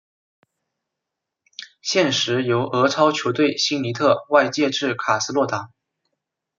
现时由俄超球队辛尼特外借至卡斯洛达。